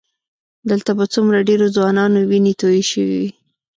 دلته به څومره ډېرو ځوانانو وینې تویې شوې وي.